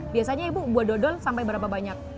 biasanya ibu buat dodol sampai berapa banyak